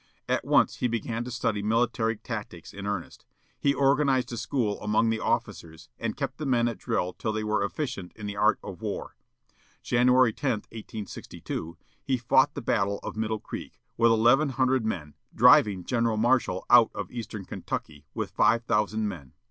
At once he began to study military tactics in earnest. He organized a school among the officers, and kept the men at drill till they were efficient in the art of war. January 10, 1862, he fought the battle of Middle Creek, with eleven hundred men, driving General Marshall out of Eastern Kentucky, with five thousand men.